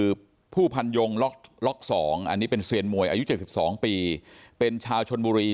นี่เสียงถ่ายผ่านยงล็อกสองอันนี้เป็นเสียญมวยอายุ๗๒ปีเป็นชาวชลบุรี